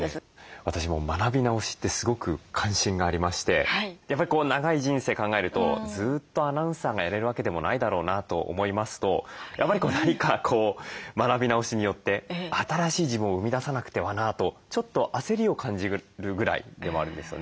私も学び直しってすごく関心がありましてやっぱり長い人生考えるとずっとアナウンサーがやれるわけでもないだろうなと思いますとやっぱり何かこう学び直しによって新しい自分を生み出さなくてはなとちょっと焦りを感じるぐらいでもあるんですよね。